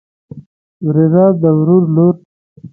وريره د ورور لور.